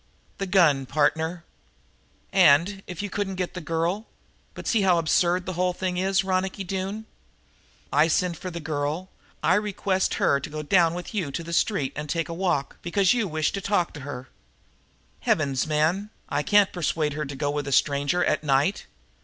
"The gun, partner." "And, if you couldn't get the girl but see how absurd the whole thing is, Ronicky Doone! I send for the girl; I request her to go down with you to the street and take a walk, because you wish to talk to her. Heavens, man, I can't persuade her to go with a stranger at night!